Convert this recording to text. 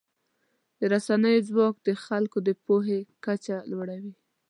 د رسنیو ځواک د خلکو د پوهې کچه لوړوي.